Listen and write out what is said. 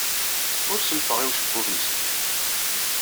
Ur sellfeɣ i ucebbub-nsent.